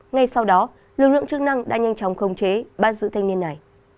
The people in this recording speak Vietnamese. ngay sau đó lực lượng chức năng đã nhanh chóng khống chế bắt giữ thanh niên này